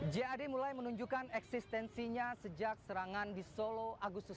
jad mulai menunjukkan eksistensinya sejak serangan di solo agustus dua ribu dua puluh